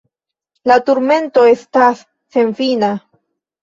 La turmento estas senfina.